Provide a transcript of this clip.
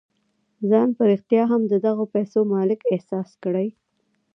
ځان په رښتيا هم د دغو پيسو مالک احساس کړئ.